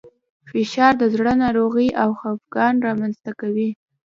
فشار د زړه ناروغۍ او خپګان رامنځ ته کوي.